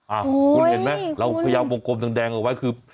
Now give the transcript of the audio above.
อ้าวคุณเห็นไหมเราพยาบกลมแดงออกไว้คือ